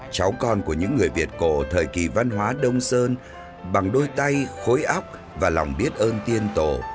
cháu con của những người việt cổ thời kỳ văn hóa đông sơn bằng đôi tay khối óc và lòng biết ơn tiên tổ